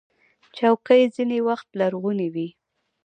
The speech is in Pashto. چوکۍ ځینې وخت لرغونې وي.